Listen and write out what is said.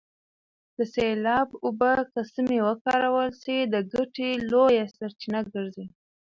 د سیلاب اوبه که سمې وکارول سي د ګټې لویه سرچینه ګرځي.